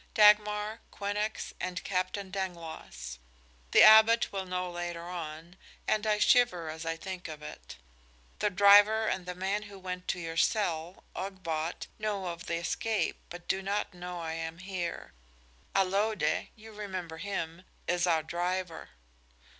Dagmar, Quinnox and Captain Dangloss. The Abbot will know later on, and I shiver as I think of it. The driver and the man who went to your cell, Ogbot, know of the escape, but do not know I am here. Allode you remember him is our driver."